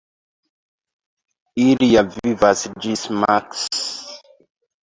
Ilia vivas ĝis maks.